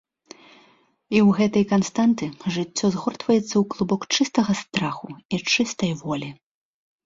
І ў гэтай канстанты жыццё згортваецца ў клубок чыстага страху і чыстай волі.